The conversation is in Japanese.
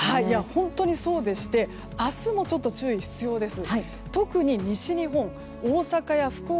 本当にそうでして明日も注意が必要です。